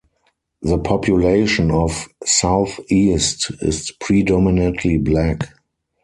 The population of Southeast is predominantly black.